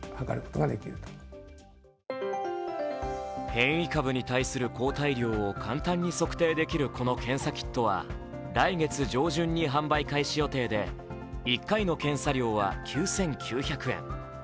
変異株に対する簡単に測定できるこの検査キットは、来月上旬に販売開始予定で１回の検査料は９９００円。